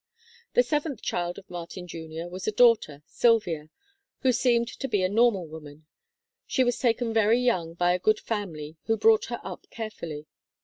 The seventh child of Martin Jr. was a daughter, Sylvia (Chart VII), who seemed to be a normal woman. She was taken very young by a good family who brought her up carefully.